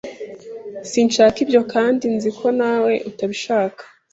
Sinshaka ibyo kandi nzi ko nawe utabishaka.